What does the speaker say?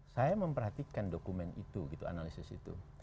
saya memperhatikan dokumen itu gitu analisis itu